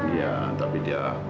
iya tapi dia